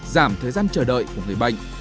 giảm thời gian chờ đợi của người bệnh